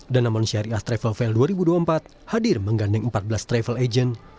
danamon syariah travel fair dua ribu dua puluh empat hadir menggandeng empat belas travel agent